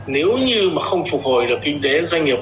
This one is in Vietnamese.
nếu như mà không phục hồi được kinh tế doanh nghiệp